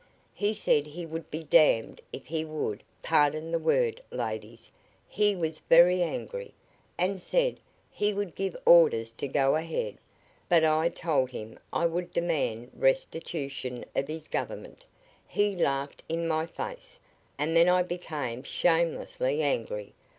He said he would be damned if he would pardon the word, ladies. He was very angry, and said he would give orders to go ahead, but I told him I would demand restitution of his government. He laughed in my face, and then I became shamelessly angry.